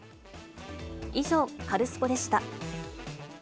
以上、カルスポっ！でした。